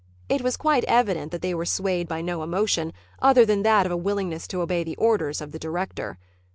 It was quite evident that they were swayed by no emotion other than that of a willingness to obey the orders of the director.